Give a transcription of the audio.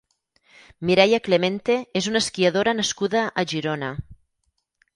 Mireia Clemente és una esquiadora nascuda a Girona.